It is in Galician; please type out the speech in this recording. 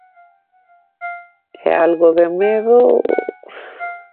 E algo de medo...